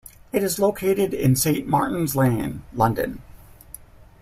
It is located in Saint Martin's Lane, London.